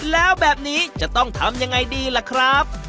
แล้วแบบนี้จะต้องทำยังไงดีล่ะครับ